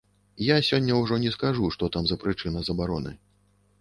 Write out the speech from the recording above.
Я сёння ўжо не скажу, што там за прычына забароны.